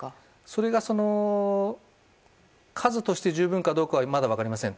それが、数として十分かどうかはまだ分かりません。